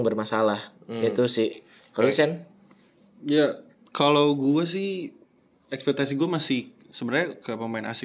bermasalah itu sih kalau lucien ya kalau gua sih ekspektasi gua masih sebenarnya ke pemain